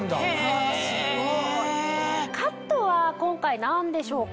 カットは今回何でしょうか？